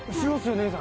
姉さん。